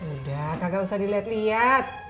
udah kagak usah diliat liat